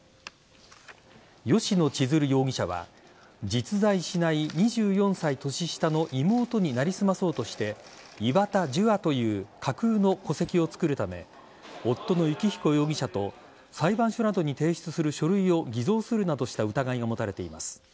吉野千鶴容疑者は実在しない２４歳年下の妹に成り済まそうとして岩田樹亞という架空の戸籍を作るため夫の幸彦容疑者と裁判所などに提出する書類を偽造するなどした疑いが持たれています。